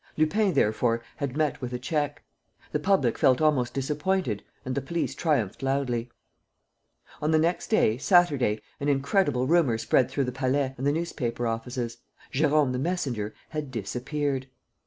Lupin, therefore, had met with a check. The public felt almost disappointed and the police triumphed loudly. On the next day, Saturday, an incredible rumour spread through the Palais and the newspaper offices: Jérôme the messenger had disappeared.